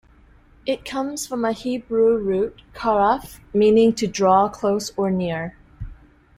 It comes from a Hebrew root, "karav", meaning "to draw close or 'near'".